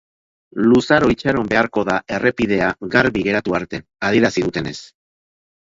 Luzaro itxaron beharko da errepidea garbi geratu arte, adierazi dutenez.